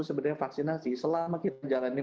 sebenarnya vaksinasi selama kita jalani